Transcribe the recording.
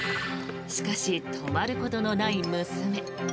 しかし、止まることのない娘。